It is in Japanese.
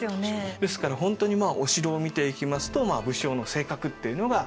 ですから本当にお城を見ていきますと武将の性格っていうのが分かってくる。